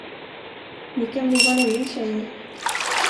Ni kan bli vad ni vill, tjejer.